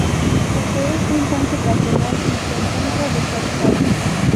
Posee un puente peatonal y se encuentra deshabitada.